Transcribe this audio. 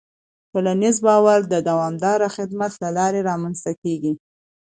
ټولنیز باور د دوامداره خدمت له لارې رامنځته کېږي.